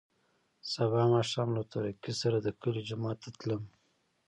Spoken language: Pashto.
سبا ماښام له تورکي سره د کلي جومات ته تلم.